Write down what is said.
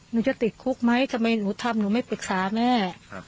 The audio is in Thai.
หนูจะติดคุกไหมทำไมหนูทำหนูไม่ปรึกษาแม่